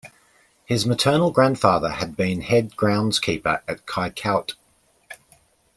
His maternal grandfather had been head groundskeeper at Kykuit.